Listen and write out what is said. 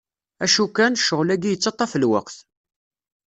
Acu kan, ccɣel-agi yettaṭṭaf lweqt.